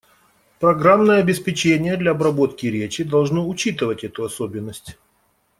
Программное обеспечение для обработки речи должно учитывать эту особенность.